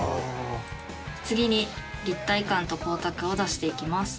次に立体感と光沢を出していきます。